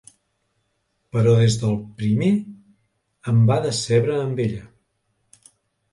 Però des del primer em va decebre amb ella.